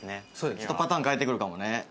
ちょっとパターン変えてくるかもね。